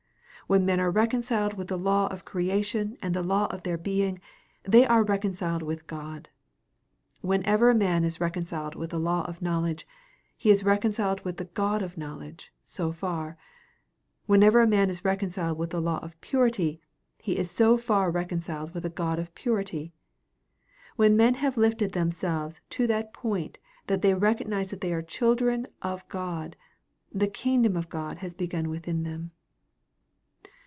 When men are reconciled with the law of creation and the law of their being, they are reconciled with God. Whenever a man is reconciled with the law of knowledge, he is reconciled with the God of knowledge, so far. Whenever a man is reconciled with the law of purity he is so far reconciled with a God of purity. When men have lifted themselves to that point that they recognize that they are the children of God, the kingdom of God has begun within them.